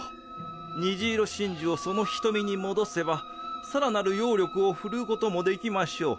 虹色真珠をその瞳に戻せば更なる妖力をふるう事も出来ましょう。